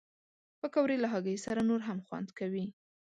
پکورې له هګۍ سره نور هم خوند کوي